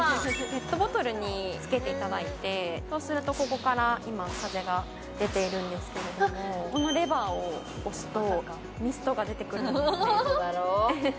ペットボトルにつけていただいてそうするとここから今風が出ているんですけれどもこのレバーを押すとミストが出てくるんですねウソだろ？